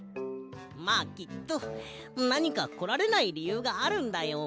まあきっとなにかこられないりゆうがあるんだよ。